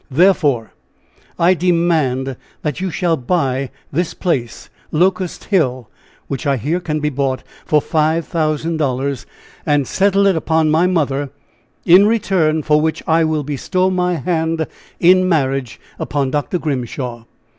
Therefore, I demand that you shall buy this place, 'Locust Hill,' which I hear can be bought for five thousand dollars, and settle it upon my mother; in return for which I will bestow my hand in marriage upon Dr. Grimshaw.